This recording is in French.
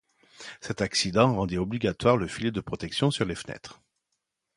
Cet accident rendit obligatoire le filet de protection sur les fenêtres.